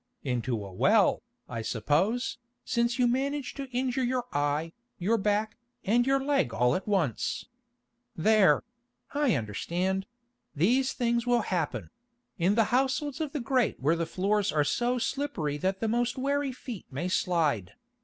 "Into a well, I suppose, since you managed to injure your eye, your back, and your leg all at once. There—I understand—these things will happen—in the households of the Great where the floors are so slippery that the most wary feet may slide.